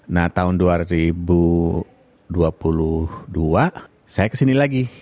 nah tahun dua ribu dua puluh dua saya kesini lagi